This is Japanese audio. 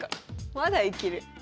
まだいける。